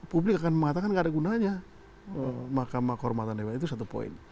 bahwa publik akan mengatakan nggak ada gunanya mahkamah kormatan dewan itu satu poin